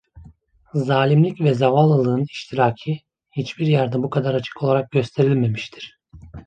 Zalimlik ve zavallılığın iştiraki hiçbir yerde bu kadar açık olarak gösterilmemiştir.